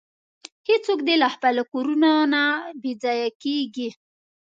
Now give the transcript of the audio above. هیڅوک دې له خپلو کورونو نه بې ځایه کیږي.